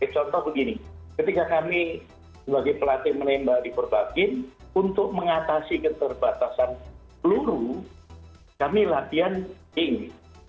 contoh begini ketika kami sebagai pelatih menembak di purbakin untuk mengatasi keterbatasan peluru kami latihan tinggi